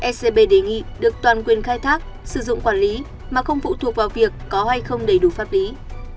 scb đề nghị được toàn quyền khai thác sử dụng quản lý mà không phụ thuộc vào việc có hay không đầy đủ pháp lý